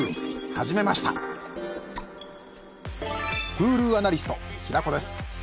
Ｈｕｌｕアナリスト平子です。